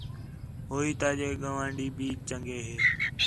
ہوئیں تاجے ڳوانڈی بھی چنڳے ہِن